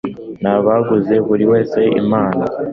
nabaguze buri wese impano